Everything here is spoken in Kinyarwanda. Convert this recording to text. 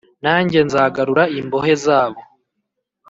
Nanjye nzagarura imbohe zabo